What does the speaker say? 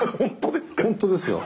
本当ですか？